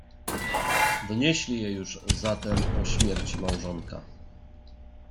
"Donieśli jej już zatem o śmierci małżonka."